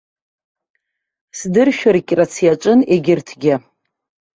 Сдыршәыркьрацы иаҿын егьырҭгьы.